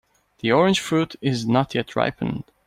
The orange fruit is not yet ripened.